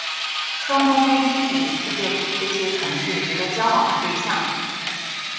双胞胎朱迪是这些同事值得交往的对象。